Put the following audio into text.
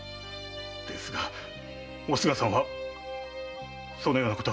ですがおすがさんはそのようなことは一言も。